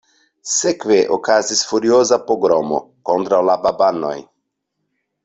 Sekve okazis furioza pogromo kontraŭ la babanoj.